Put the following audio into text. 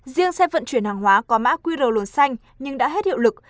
riêng xe vận chuyển hàng hóa có mã qr xanh nhưng đã hết hiệu lực